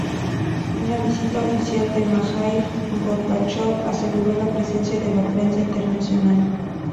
Una visita oficial de Mijaíl Gorbachov aseguró la presencia de la prensa internacional.